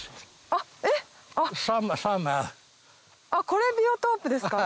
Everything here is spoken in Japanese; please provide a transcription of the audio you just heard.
あっこれビオトープですか？